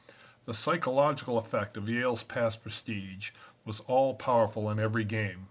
"The psychological effect of Yale's past prestige was all powerful in every game.